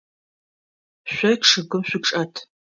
Шъо чъыгым шъучӏэт.